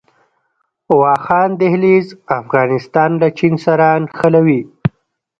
واخان دهلیز افغانستان له چین سره نښلوي